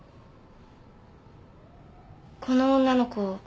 この女の子